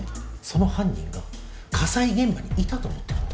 その犯人が火災現場にいたと思ってるんだ。